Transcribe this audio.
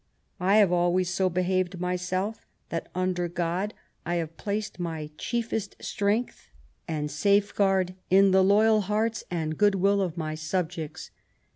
I have always so behaved myself that, under God, I have placed my chiefest strength and safeguard in the loyal hearts and good will of my subjects.